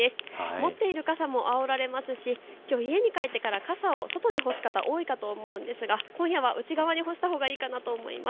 持っている傘もあおられますしきょう家に帰ってから傘を外に干す方多いと思いますが今夜は内側に干したほうがいいかと思います。